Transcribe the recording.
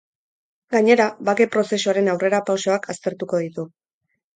Gainera, bake prozesuaren aurrerapausoak aztertuko ditu.